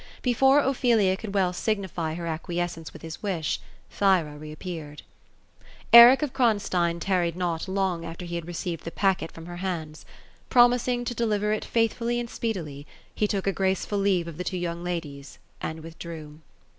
Before Ophelia could well signify her acquiescence with his wish, Thyra reappeared Eric of Kronstein tarried not long after he had received the packet from her handa Promising to deliver it faithfully and speedily, he took a graceful leave of the two young ladies, and withdrew.